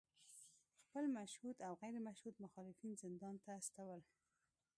خپل مشهود او غیر مشهود مخالفین زندان ته استول